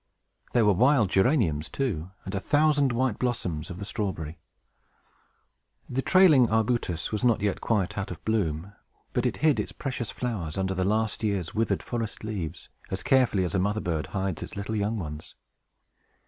There were wild geraniums, too, and a thousand white blossoms of the strawberry. The trailing arbutus was not yet quite out of bloom; but it hid its precious flowers under the last year's withered forest leaves, as carefully as a mother bird hides its little young ones.